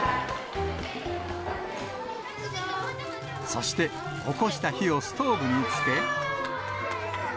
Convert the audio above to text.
そして、起こした火をストーブにつけ。